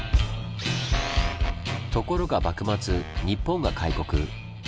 ところが幕末日本が開国。